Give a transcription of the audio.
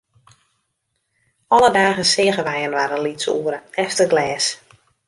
Alle dagen seagen wy inoar in lyts oere, efter glês.